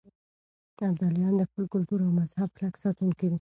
ابدالیان د خپل کلتور او مذهب کلک ساتونکي دي.